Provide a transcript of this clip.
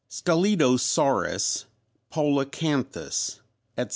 _Scelidosaurus, Polacanthus, etc.